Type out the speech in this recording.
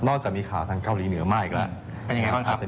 จากมีข่าวทางเกาหลีเหนือมากอีกแล้ว